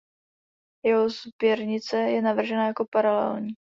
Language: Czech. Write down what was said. Jeho sběrnice je navržena jako paralelní.